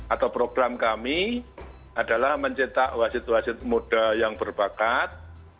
atau program kami adalah mencetak wasit wasit muda yang berbakat